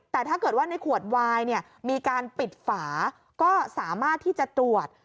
แต่ถ้าเกิดว่าในขวดวายเนี่ยมีการปิดฝาก็สามารถที่จะตรวจ